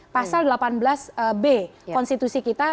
pada tahun dua ribu enam belas b konstitusi kita